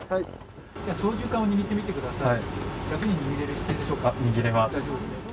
操縦かんを握ってみてください。